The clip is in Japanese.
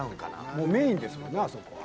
もうメインですもんねあそこは。